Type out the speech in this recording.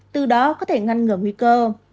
từ đó có thể ngăn ngừa nguy cơ